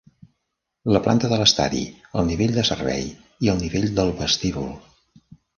La planta de l'estadi, el nivell de servei i el nivell del vestíbul.